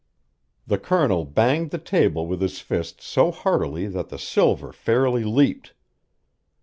The Colonel banged the table with his fist so heartily that the silver fairly leaped.